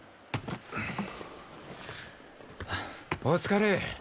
お疲れ。